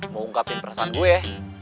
mau ungkapin perasaan gue ya